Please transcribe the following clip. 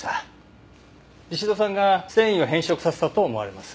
リシド酸が繊維を変色させたと思われます。